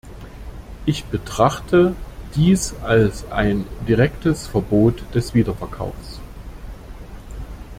Ich betrachte dies als ein direktes Verbot des Wiederverkaufs.